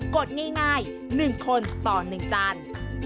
ดง่าย๑คนต่อ๑จาน